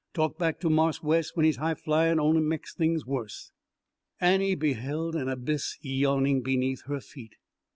Talk back to Marse Wes when he's high flyin' on'y meks things worse." Annie beheld an abyss yawning beneath her feet.